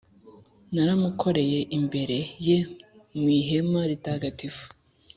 Naramukoreye imbere ye mu ihema ritagatifu,